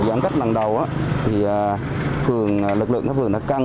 giảm cách lần đầu thì thường lực lượng các phường